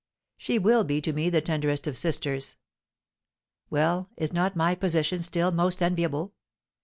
She will be to me the tenderest of sisters! Well, is not my position still most enviable?